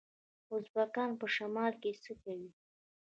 ازبکان په شمال کې څه کوي؟